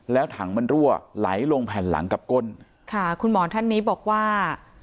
แล้วถังมันรั่วไหลลงแผ่นหลังกับก้นค่ะคุณหมอท่านนี้บอกว่า